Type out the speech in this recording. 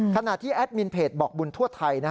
ขณะที่แอดมินเพจบอกบุญทั่วไทย